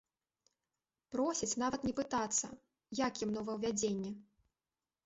Просяць нават не пытацца, як ім новаўвядзенне.